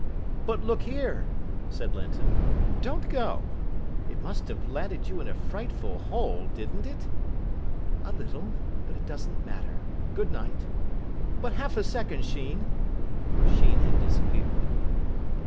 "But look here," said Linton, "don't go. It must have landed you in a frightful hole, didn't it?" "A little. But it doesn't matter. Good night." "But half a second, Sheen " Sheen had disappeared.